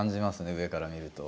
上から見ると。